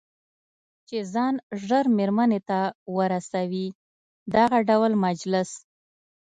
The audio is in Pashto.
چې ځان ژر مېرمنې ته ورسوي، دغه ډول مجلس.